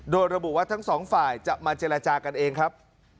โดยระบุว่าทั้งสองฝ่ายจะมาเจรจากันเองครับ